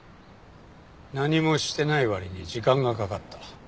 何もしてない割に時間がかかった。